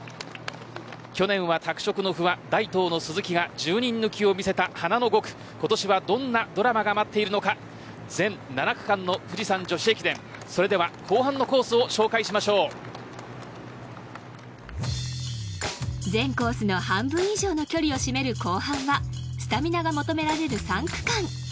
去年は拓殖の不破、大東の鈴木が１０人抜きを見せた華の５区、今年はどんなドラマが待っているのか全７区間の富士山女子駅伝それでは後半のコースを全コースの半分以上の距離を占める後半はスタミナが求められる３区間。